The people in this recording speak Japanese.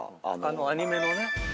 アニメのね。